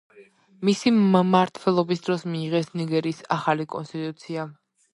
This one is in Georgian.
მისი მმართველობის დროს მიიღეს ნიგერის ახალი კონსტიტუცია.